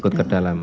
ikut ke dalam